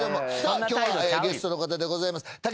今日はゲストの方でございます。